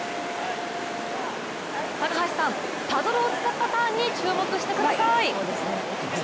高橋さん、パドルを使ったターンに注目してください。